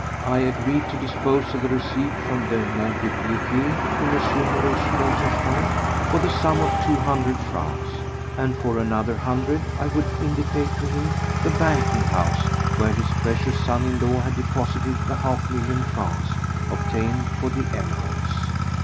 I agreed to dispose of the receipt from the Mont de Piété to M. Mauruss Mosenstein for the sum of two hundred francs, and for another hundred I would indicate to him the banking house where his precious son in law had deposited the half million francs obtained for the emeralds.